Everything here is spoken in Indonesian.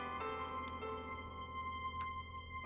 ini udah kaget